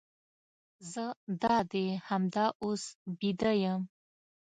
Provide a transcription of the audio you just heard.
زه دادي همدا اوس بیده یم.